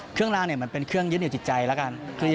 เครื่องราวมันเป็นเครื่องยืดเหนียวจิตใจ